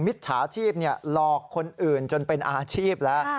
มิจฉาชีพหลอกคนอื่นจนเป็นอาชีพแล้ว